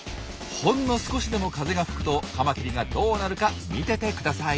ほんの少しでも風が吹くとカマキリがどうなるか見ててください。